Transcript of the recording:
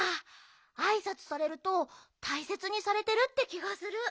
あいさつされるとたいせつにされてるってきがする。